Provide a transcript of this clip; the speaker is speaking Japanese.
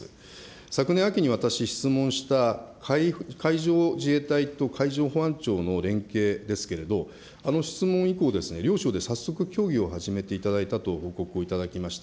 昨年秋に私、質問した海上自衛隊と海上保安庁の連携ですけれど、あの質問以降、両社で早速、協議を始めていただいたと報告を頂きました。